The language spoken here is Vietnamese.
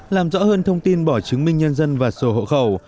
làm rõ hơn thông tin bỏ chứng minh nhân dân và sổ hộ khẩu